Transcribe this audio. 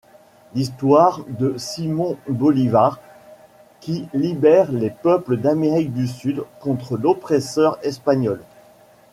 L'histoire de Simón Bolívar qui libère les peuples d'Amérique du Sud contre l'oppresseur espagnol.